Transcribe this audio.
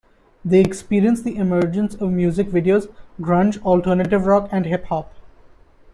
They experienced the emergence of music videos, grunge, alternative rock and hip hop.